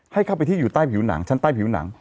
ให้เข้าไปที่อยู่ใต้ผิวหนังชั้นใต้ผิวหนัง